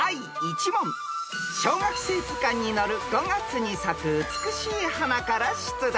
［小学生図鑑に載る５月に咲く美しい花から出題］